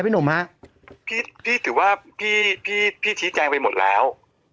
พี่ถือว่าพี่ชี้แจ้งไปหมดแล้ว